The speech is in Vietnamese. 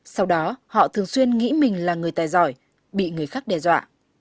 sau đó họ thường xuyên nghĩ mình là người tài giỏi bị người khác đe dọa